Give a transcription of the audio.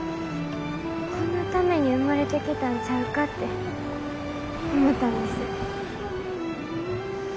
このために生まれてきたんちゃうかって思ったんです。